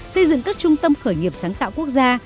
xây dựng các trung tâm khởi nghiệp sáng tạo quốc gia